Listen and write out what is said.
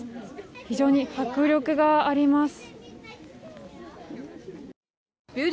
非常に迫力があります。